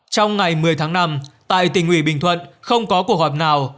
trong ngày một mươi tháng năm tại tỉnh ủy bình thuận không có cuộc họp nào